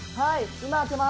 今開けます！